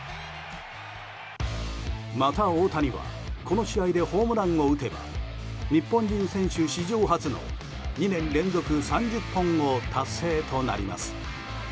また、大谷はこの試合でホームランを打てば日本人選手史上初の２年連続３０本を達成となります。